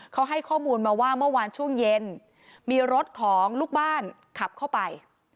เขาให้ข้อมูลมาว่าเมื่อวานช่วงเย็นมีรถของลูกบ้านขับเข้าไป